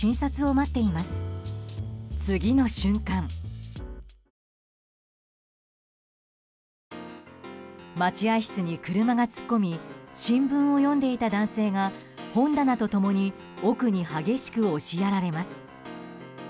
待合室に車が突っ込み新聞を読んでいた男性が本棚と共に奥に激しく押しやられます。